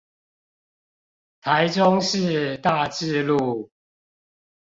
台中市大智路